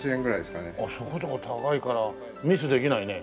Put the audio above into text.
そこそこ高いからミスできないね。